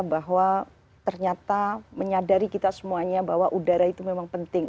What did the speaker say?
bahwa ternyata menyadari kita semuanya bahwa udara itu memang penting